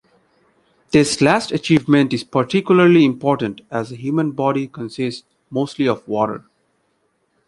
This last achievement is particularly important as the human body consists mostly of water.